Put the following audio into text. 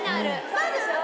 そうでしょう。